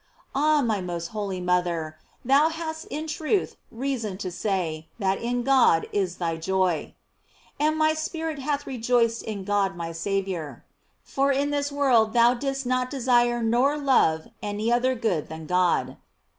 f Ah, my most holy mother, thou hadst in truth reason to say, that in God was thy joy: ''And my spirit hath rejoiced in God my Saviour, "| for in this world thou didst not desire nor love any other good than God.